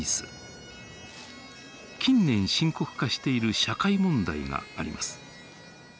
近年深刻化している社会問題があります。